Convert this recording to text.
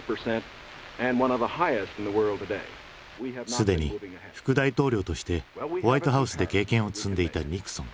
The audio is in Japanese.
すでに副大統領としてホワイトハウスで経験を積んでいたニクソン。